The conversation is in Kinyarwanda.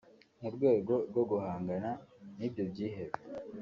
mu rwego rwo guhangana n’ibyo byihebe